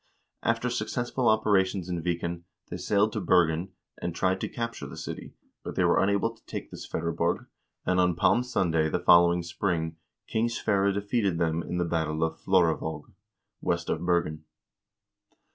After successful operations in Viken they sailed to Bergen, and tried to capture the city, but they were unable to take the Sverreborg, and on Palm Sunday the following spring King Sverre defeated them in the battle of Florevaag, west of Bergen.